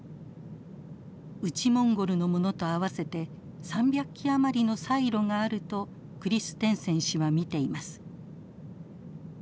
内モンゴルのものと合わせて３００基余りのサイロがあるとクリステンセン氏は見ています。